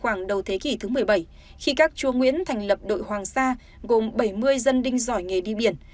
khoảng đầu thế kỷ thứ một mươi bảy khi các chúa nguyễn thành lập đội hoàng sa gồm bảy mươi dân đinh giỏi nghề đi biển